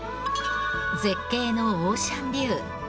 絶景のオーシャンビュー。